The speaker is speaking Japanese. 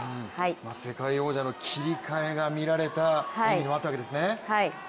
世界王者の切り替えが見られた演技になったわけですね。